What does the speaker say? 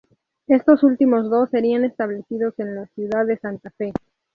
Estos últimos dos serían establecidos en la ciudad de Santa Fe.